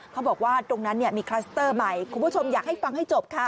เขาบอกว่าตรงนั้นมีคลัสเตอร์ใหม่คุณผู้ชมอยากให้ฟังให้จบค่ะ